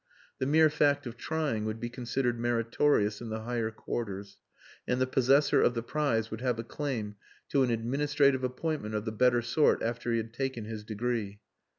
The mere fact of trying would be considered meritorious in the higher quarters; and the possessor of the prize would have a claim to an administrative appointment of the better sort after he had taken his degree.